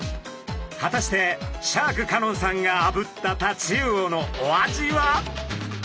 果たしてシャーク香音さんがあぶったタチウオのお味は？